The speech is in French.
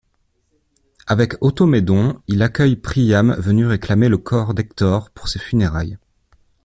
Avec Automédon, il accueille Priam venu réclamer le corps d'Hector pour ses funérailles.